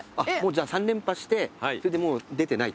じゃもう３連覇してそれでもう出てない。